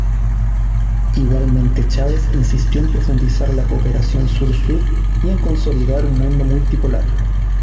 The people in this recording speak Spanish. Igualmente Chávez insistió en profundizar la cooperación Sur-Sur y en consolidar un mundo multipolar.